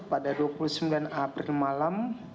pada dua puluh sembilan april malam